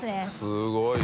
すごいよ。